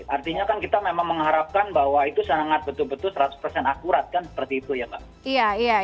artinya kan kita memang mengharapkan bahwa itu sangat betul betul seratus persen akurat kan seperti itu ya pak